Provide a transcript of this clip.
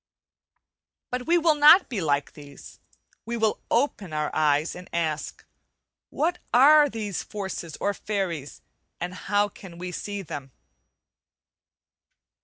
But we will not be like these, we will open our eyes and ask, "What are these forces or fairies, and how can we see them?"